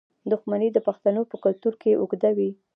دښمني د پښتنو په کلتور کې اوږده وي.